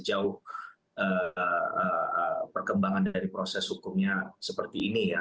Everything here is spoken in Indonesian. jauh perkembangan dari proses hukumnya seperti ini ya